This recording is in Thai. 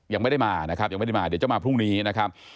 ยังไม่ได้มานะครับยังไม่ได้มาเดี๋ยวจะมาพรุ่งนี้นะครับ